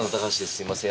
すいません